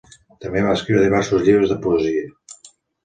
També va escriure diversos llibres de poesia.